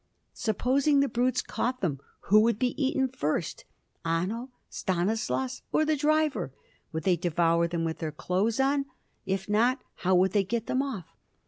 Supposing the brutes caught them, who would be eaten first? Anno, Stanislaus, or the driver? Would they devour them with their clothes on? If not, how would they get them off?